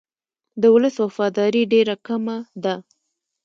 د ولس وفاداري ډېره کمه ده.